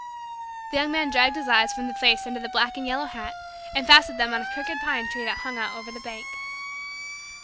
The Young Man dragged his eyes from the face under the black and yellow hat, and fastened them on a crooked pine tree that hung out over the bank.